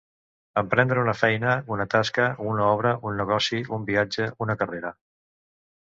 Emprendre una feina, una tasca, una obra, un negoci, un viatge, una carrera.